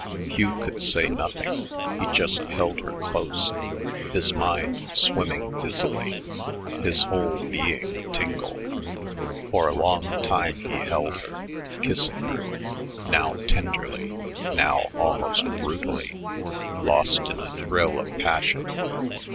Hugh could say nothing; he just held her close, his mind swimming dizzily, his whole being atingle. For a long time he held her, kissing her, now tenderly, now almost brutally, lost in a thrill of passion.